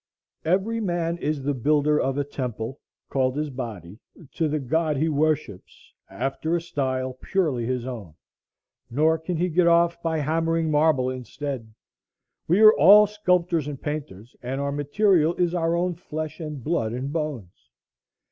Every man is the builder of a temple, called his body, to the god he worships, after a style purely his own, nor can he get off by hammering marble instead. We are all sculptors and painters, and our material is our own flesh and blood and bones.